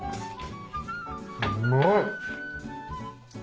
うまい。